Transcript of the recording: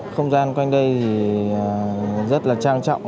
không gian quanh đây thì rất là trang trọng